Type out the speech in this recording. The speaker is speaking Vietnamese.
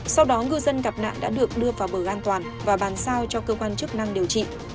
sau đó ngư dân gặp nạn đã được đưa vào bờ an toàn và bàn sao cho cơ quan chức năng điều trị